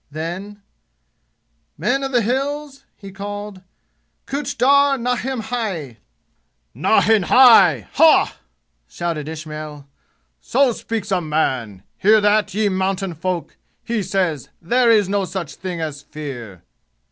Then: "Men of the 'Hills'!" he called. "Kuch dar nahin hai!" "Nahin hai! Hah!" shouted Ismail. "So speaks a man! Hear that, ye mountain folk! He says, 'There is no such thing as fear!'"